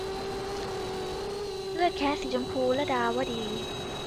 เลือดแค้นสีชมพู - ลดาวดี